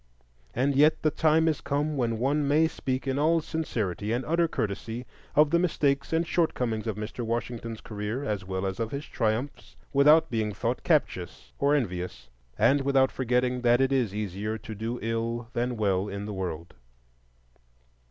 And yet the time is come when one may speak in all sincerity and utter courtesy of the mistakes and shortcomings of Mr. Washington's career, as well as of his triumphs, without being thought captious or envious, and without forgetting that it is easier to do ill than well in the world.